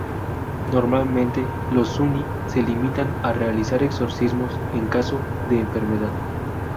Normalmente los suni se limitan a realizar exorcismos en caso de enfermedad.